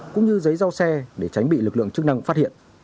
cũng như giấy giao xe để tránh bị lực lượng chức năng phát hiện